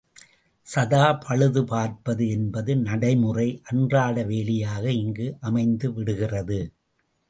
சதா பழுது பார்ப்பது என்பது நடைமுறை அன்றாட வேலையாக இங்கு அமைந்து விடுகிறது.